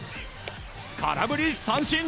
空振り三振！